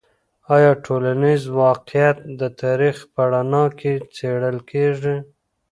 آیا ټولنیز واقعیت د تاریخ په رڼا کې څیړل کیږي؟